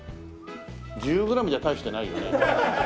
１０グラムじゃ大してないよね。